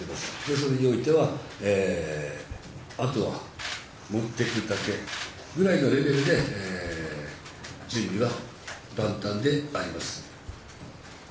それにおいてはあとは持ってくだけぐらいのレベルで、準備は万端であります。